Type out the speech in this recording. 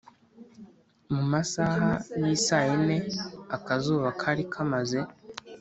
mumasaha yisayine akazuba kari kamaze